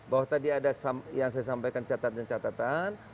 bahwa tadi ada yang saya sampaikan catatan catatan